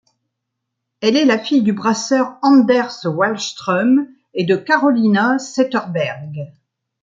Elle est la fille du brasseur Anders Wahlström et de Carolina Setterberg.